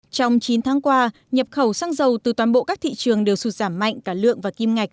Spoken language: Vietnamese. trong chín tháng qua nhập khẩu xăng dầu từ toàn bộ các thị trường đều sụt giảm mạnh cả lượng và kim ngạch